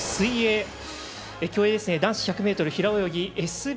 競泳男子１００ｍ平泳ぎＳＢ